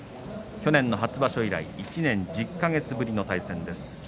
去年の初場所以来１年１０か月ぶりの対戦です。